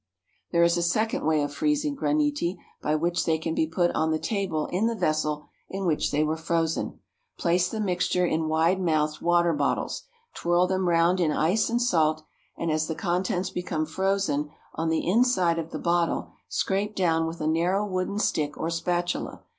There is a second way of freezing graniti by which they can be put on the table in the vessel in which they were frozen. Place the mixture in wide mouthed water bottles, twirl them round in ice and salt, and, as the contents become frozen on the inside of the bottle, scrape down with a narrow wooden stick or spatula.